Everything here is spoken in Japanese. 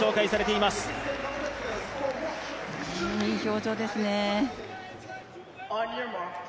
いい表情ですね。